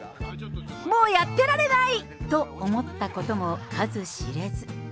もうやってられない！と思ったことも数知れず。